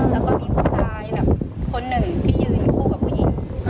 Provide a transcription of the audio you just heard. แล้วก็มีผู้ชายแบบคนหนึ่งที่ยืนคู่กับผู้หญิง